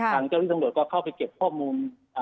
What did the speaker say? ทางเจ้าวิทยุตังรถก็เข้าไปเก็บข้อมูล